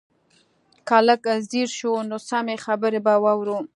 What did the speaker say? که لږ ځير شو نو سمې خبرې به واورو.